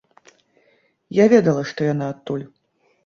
Я ведала, што яна адтуль.